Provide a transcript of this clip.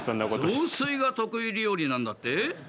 雑炊が得意料理なんだって？